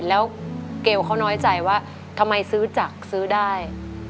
แล้วเกลเขาน้อยใจว่าทำไมซื้อจักซื้อได้